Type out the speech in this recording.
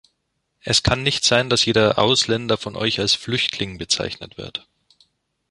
Es kann nicht sein, dass jeder Ausländer von euch als Flüchtling bezeichnet wird.